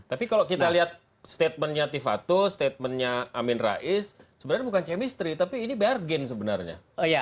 tapi kalau kita lihat statementnya tifatu statementnya amin rais sebenarnya bukan chemistry tapi ini bergen sebenarnya